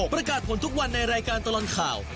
ประกาศผลทุกวันในรายการตลอดข่าว